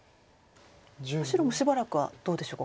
白もしばらくはどうでしょうか。